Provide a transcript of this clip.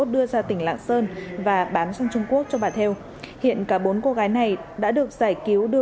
đưa ra tỉnh lạng sơn và bán sang trung quốc cho bà theo hiện cả bốn cô gái này đã được giải cứu đưa